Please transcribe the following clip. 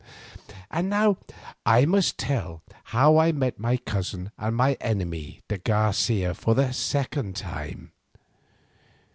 And now I must tell how I met my cousin and my enemy de Garcia for the second time.